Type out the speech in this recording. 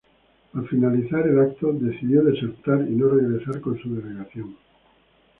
Al finalizar el evento decidió "desertar" y no regresar con su delegación.